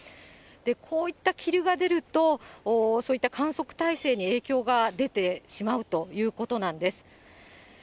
こういった霧が出ると、そういった観測体制に影響が出てしまうということなんです。